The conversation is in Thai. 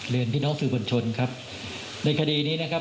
พี่น้องสื่อบนชนครับในคดีนี้นะครับ